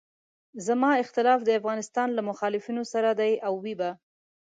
زما اختلاف د افغانستان له مخالفینو سره دی او وي به.